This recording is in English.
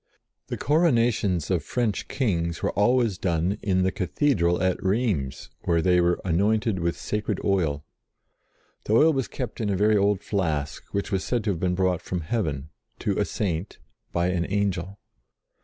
The coro nations of French Kings were always done in the Cathedral at Rheims, where they were anointed with sacred oil. The oil was kept in a very old flask, which was said to have been brought from heaven, to a Saint, by an Angel.